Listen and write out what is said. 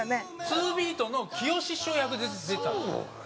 ツービートのきよし師匠役で出てたんですよ。